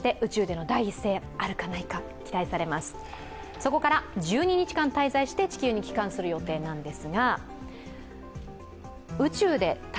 そこから１２日間滞在して地球に帰還する予定です。